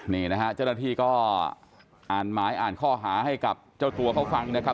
นี่นะฮะเจ้าหน้าที่ก็อ่านหมายอ่านข้อหาให้กับเจ้าตัวเขาฟังนะครับ